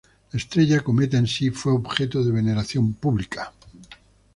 La estrella cometa en sí fue objeto de veneración pública.